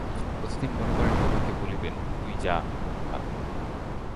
প্রতিদিন মনে করেন, বিভাকে বলিবেন, তুই যা বিভা।